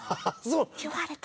言われた。